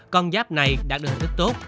con giáp này đạt được hợp tích tốt